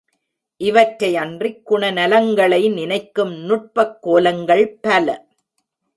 இவற்றையன்றிக் குணநலங்களை நினைக்கும் நுட்பக் கோலங்கள் பல.